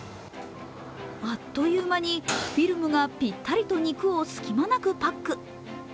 あっという間にフィルムがぴったりと肉を隙間なくパック。